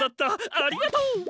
ありがとう！